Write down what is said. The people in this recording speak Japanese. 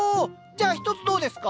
じゃあ１つどうですか？